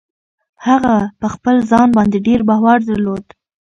هغه په خپل ځان باندې ډېر باور درلود.